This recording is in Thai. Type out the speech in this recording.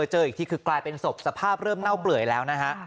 เจออีกทีคือกลายเป็นศพสภาพเริ่มเน่าเปื่อยแล้วนะฮะ